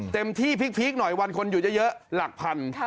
เต็มที่พีคหน่อยวันคนอยู่เยอะหลักพัน